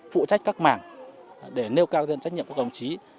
phụ trách các mảng để nêu cao cái trách nhiệm của các đồng chí